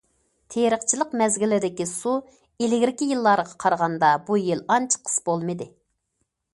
تېرىقچىلىق مەزگىلىدىكى سۇ ئىلگىرىكى يىللارغا قارىغاندا بۇ يىل ئانچە قىس بولمىدى.